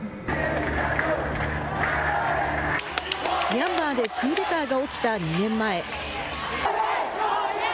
ミャンマーでクーデターが起きた２年前。